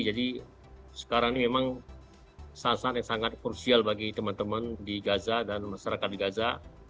jadi sekarang ini memang sangat sangat yang sangat kursial bagi teman teman di gaza dan masyarakat di gaza